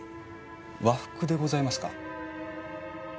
和服でございますか？